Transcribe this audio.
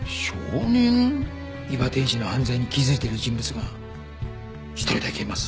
伊庭悌二の犯罪に気づいている人物が一人だけいます。